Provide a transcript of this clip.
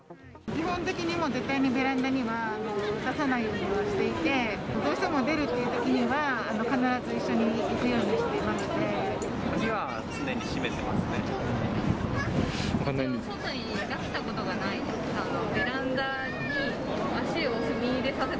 基本的には絶対にベランダには出さないようにはしていて、どうしても出るというときには、必ず一緒に行くようにしていまして。